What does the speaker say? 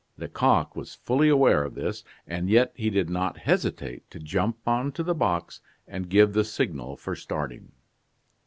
Lecoq was fully aware of this, and yet he did not hesitate to jump on to the box and give the signal for starting.